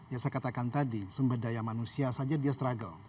ya saya katakan tadi sumber daya manusia saja dia struggle